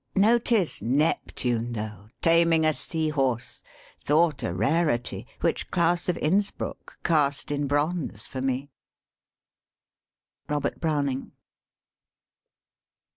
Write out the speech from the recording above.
Notice Neptune, though, Taming a sea horse, thought a rarity, Which Claus of Innsbruck cast in bronze for me!" ROBERT BROWNING.